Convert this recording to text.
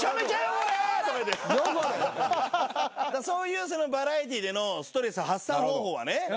そういうバラエティーでのストレス発散方法はね。